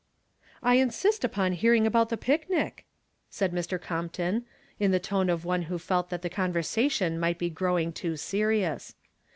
" I insist upon hearing about the picnic," said Mr. Compton, in the tone of one who felt that the conversation might be growing too serious.